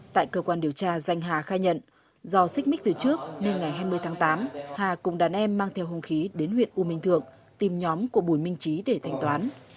tại cơ quan điều tra danh hà khai nhận do xích mít từ trước nên ngày hai mươi tháng tám hà cùng đàn em mang theo hung khí đến huyện u minh thượng tìm nhóm của bùi minh trí để thanh toán